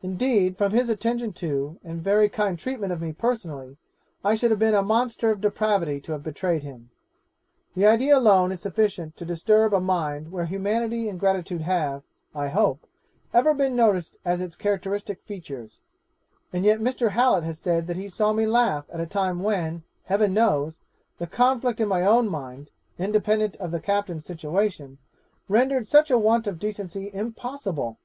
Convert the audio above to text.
Indeed from his attention to and very kind treatment of me personally, I should have been a monster of depravity to have betrayed him. The idea alone is sufficient to disturb a mind where humanity and gratitude have, I hope, ever been noticed as its characteristic features; and yet Mr. Hallet has said that he saw me laugh at a time when, Heaven knows, the conflict in my own mind, independent of the captain's situation, rendered such a want of decency impossible.